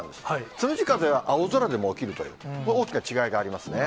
つむじ風は、青空でも起きるという、大きな違いがありますね。